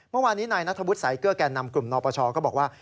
เมื่อวานนี้นายนัทวุฒิสายเกลือแก่นำกลุ่มนปชก็บอกว่า